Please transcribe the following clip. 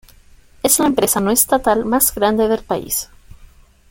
Es la empresa no estatal más grande del país.